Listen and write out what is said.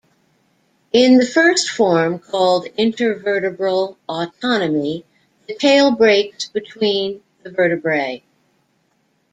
In the first form, called intervertebral autotomy, the tail breaks between the vertebrae.